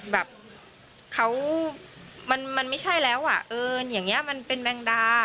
แบบเขามันไม่ใช่แล้วอ่ะเอิญอย่างนี้มันเป็นแมงดา